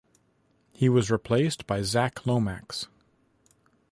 He was replaced by Zac Lomax.